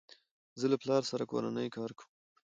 زه له پلار سره کورنی کار کوم.